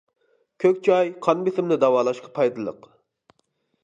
كۆك چاي قان بېسىمىنى داۋالاشقا پايدىلىق.